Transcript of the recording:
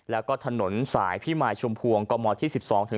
และก็ถนนสายพี่หมายชมพวงกมที่๑๒๑๓